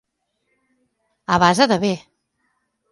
A base de bé.